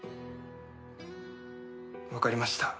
わかりました。